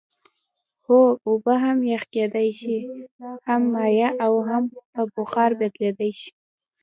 هو اوبه هم یخ کیدای شي هم مایع او هم په بخار بدلیدلی شي